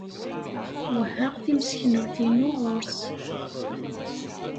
Wehhaɣ timseknewt-inu ɣur-s.